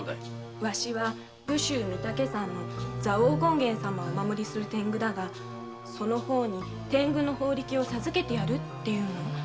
「わしは武州・御岳山で蔵王権現様をお守りする天狗だがその方に法力を授ける」って言うの。